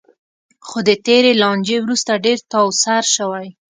خو د تېرې لانجې وروسته ډېر تاوسر شوی.